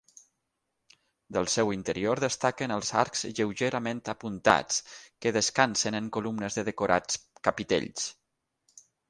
Del seu interior destaquen els arcs lleugerament apuntats que descansen en columnes de decorats capitells.